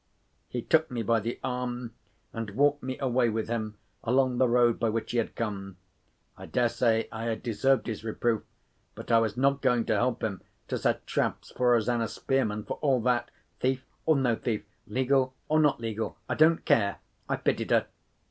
He took me by the arm, and walked me away with him along the road by which he had come. I dare say I had deserved his reproof—but I was not going to help him to set traps for Rosanna Spearman, for all that. Thief or no thief, legal or not legal, I don't care—I pitied her.